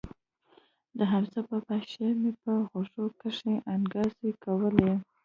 د حمزه بابا شعر مې په غوږو کښې انګازې کولې.